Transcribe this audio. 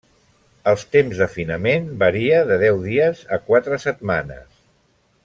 El temps d'afinament varia, de deu dies a quatre setmanes.